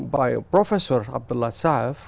bởi bác sĩ abd allah sa af